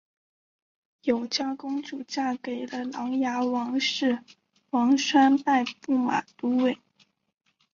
永嘉公主嫁给了琅琊王氏王铨拜驸马都尉。